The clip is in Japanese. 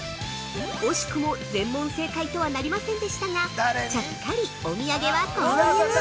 ◆惜しくも全問正解とはなりませんでしたがちゃっかりお土産は購入。